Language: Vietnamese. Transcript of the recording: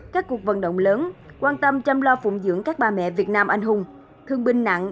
các cuộc vận động lớn quan tâm chăm lo phụng dưỡng các bà mẹ việt nam anh hùng thương binh nặng